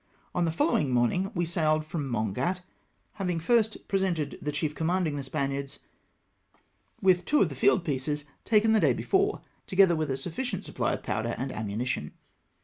On the following morn ing we sailed from Mongat, having first presented the chief commanding the Spaniards with two of the field 266 SPIRIT OF THE CATALANS. pieces taken the day before, together with a sufficient supply of powder and ammunition.